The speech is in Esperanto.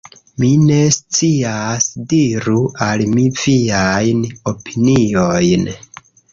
Mi ne scias. Diru al mi viajn opiniojn.